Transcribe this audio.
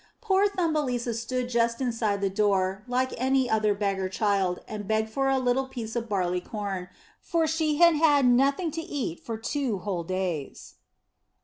Poor Thumbelisa stood just inside the door like any other beggar child and begged for a little piece of barley corn, for she had had nothing to eat for two whole days.